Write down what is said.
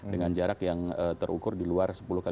dengan jarak yang terukur di luar sepuluh x sepuluh